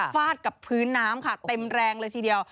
ฟาดกับพื้นน้ำค่ะเต็มแรงเลยทีเดียว